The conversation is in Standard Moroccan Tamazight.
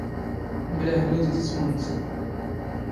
ⵎⵍⴰ ⵀⵍⵍⵉ ⴷⵉⴷⵉ ⵜⵎⵓⵏⴷ.